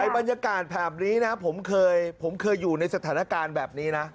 บรรยากาศแบบนี้นะผมเคยอยู่ในสถานการณ์แบบนี้นะ